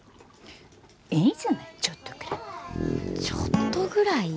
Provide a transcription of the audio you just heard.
いいじゃないちょっとぐらいちょっとぐらい？